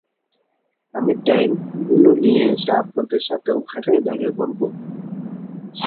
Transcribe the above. আমি ট্যাঙ্কগুলো নিয়ে এসে আপনাদের সাথে ওখানেই দেখা করবো।